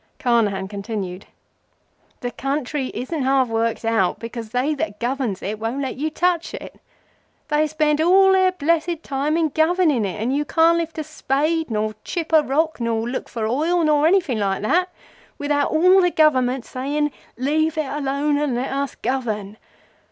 Carnehan continued:—"The country isn't half worked out because they that governs it won't let you touch it. They spend all their blessed time in governing it, and you can't lift a spade, nor chip a rock, nor look for oil, nor anything like that without all the Government saying—'Leave it alone and let us govern.